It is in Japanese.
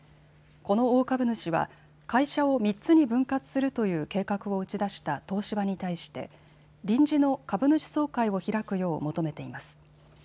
この大株主は会社を３つに分割するという計画を打ち出した東芝に対して臨時の株主総会を開くよう求めています。